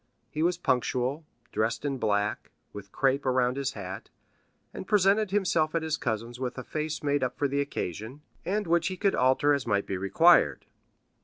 He was punctual, dressed in black, with crape around his hat, and presented himself at his cousin's with a face made up for the occasion, and which he could alter as might be required.